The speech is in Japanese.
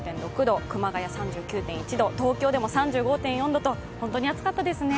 熊谷３９．１度、東京でも３５．４度と本当に暑かったですね。